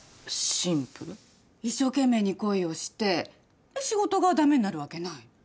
一生懸命に恋をして仕事が駄目になるわけない。